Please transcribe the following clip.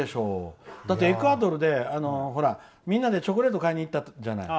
だってエクアドルでみんなでチョコレート買いに行ったじゃない。